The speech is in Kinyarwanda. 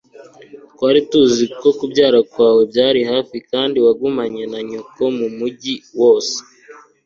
twari tuzi ko kubyara kwawe byari hafi kandi wagumanye na nyoko mumujyi wose